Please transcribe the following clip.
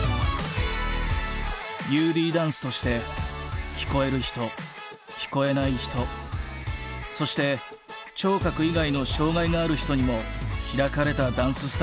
「ＵＤダンス」として聞こえる人聞こえない人そして聴覚以外の障害がある人にも開かれたダンススタジオを立ち上げた。